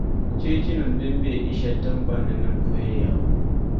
Cheechinim’ din be Ɛsha tiŋgbɔŋ ni nima puhiri ya.